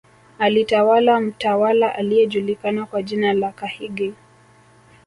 Alitawala mtawala aliyejulikana kwa jina la Kahigi